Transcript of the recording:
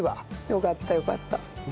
よかったよかった。